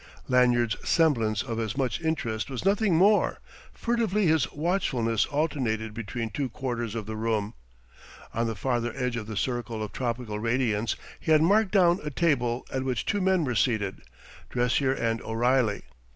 Lanyard's semblance of as much interest was nothing more; furtively his watchfulness alternated between two quarters of the room. On the farther edge of the circle of tropical radiance he had marked down a table at which two men were seated, Dressier and O'Reilly.